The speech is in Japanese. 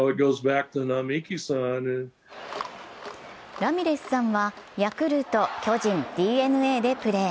ラミレスさんはヤクルト、巨人、ＤｅＮＡでプレー。